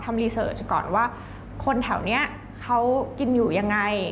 รีเสิร์ตก่อนว่าคนแถวนี้เขากินอยู่ยังไง